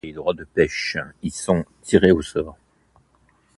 Les droits de pêche y sont tirés au sort.